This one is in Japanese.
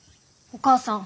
お義母さん。